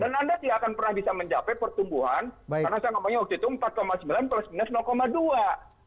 dan anda tidak akan pernah bisa mencapai pertumbuhan karena saya ngomongnya waktu itu empat sembilan plus minus dua